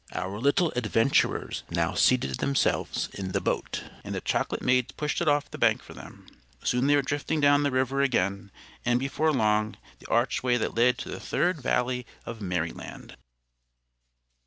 Our little adventurers now seated themselves in the boat, and the chocolate maids pushed it off the bank for them. Soon they were drifting down the river again, and before long reached the archway that led to the Third Valley of Merryland.